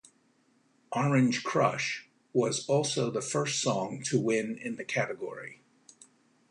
"Orange Crush" was also the first song to win in the category.